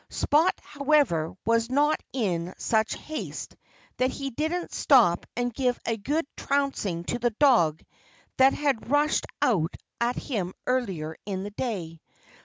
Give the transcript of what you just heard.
Spot, however, was not in such haste that he didn't stop and give a good trouncing to the dog that had rushed out at him earlier in the day.